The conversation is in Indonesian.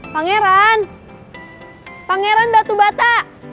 pangeran pangeran batu bata